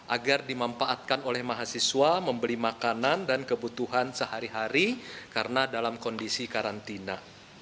agar dimanfaatkan oleh mahasiswa membeli makanan dan kebutuhan sehari hari karena dalam kondisi karantina